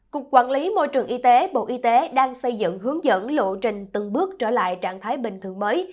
cục quản lý môi trường y tế bộ y tế đang xây dựng hướng dẫn lộ trình từng bước trở lại trạng thái bình thường mới